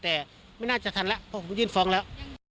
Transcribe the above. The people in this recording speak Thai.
แต่ไม่น่าจะทันแล้วเพราะผมยื่นฟ้องแล้ว